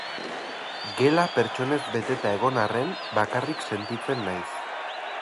Gela pertsonez beteta egon arren, bakarrik sentitzen naiz.